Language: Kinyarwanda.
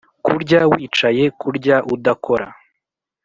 kurya wicaye: kurya udakora